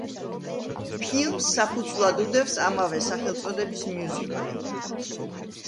ფილმს საფუძვლად უდევს ამავე სახელწოდების მიუზიკლი.